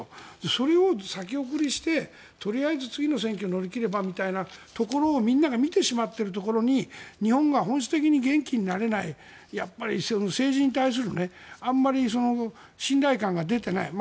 それを先送りしてとりあえず次の選挙を乗り越えればみたいなところをみんなが見てしまっているところに日本が本質的に元気になれない政治に対するあんまり信頼感が出ていない。